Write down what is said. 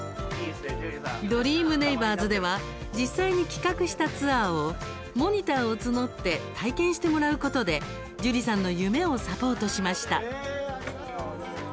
「ドリーム★ネイバーズ」では実際に企画したツアーをモニターを募って体験してもらうことでジュリさんの夢をサポートしました。